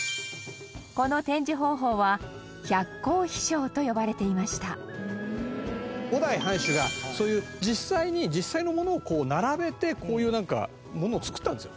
この展示方法は「百工比照」と呼ばれていました石原：五代藩主が実際に、実際のものを並べてこういうものを作ったんですよ。